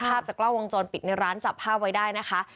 ภาพจากกล้องวงจรปิดในร้านจับภาพไว้ได้นะคะ